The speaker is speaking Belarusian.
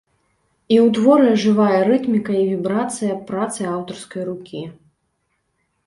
І ў творы ажывае рытміка і вібрацыя працы аўтарскай рукі.